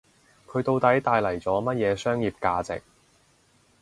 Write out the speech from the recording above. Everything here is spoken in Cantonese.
佢到底帶嚟咗乜嘢商業價值